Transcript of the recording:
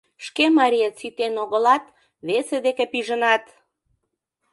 Шке мариет ситен огылат, весе деке пижынат!..